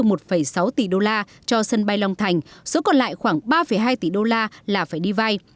lãnh đạo acv khẳng định sẽ cân đối từ vốn tự có được một sáu tỷ usd cho sân bay long thành số còn lại khoảng ba hai tỷ usd là phải đi vay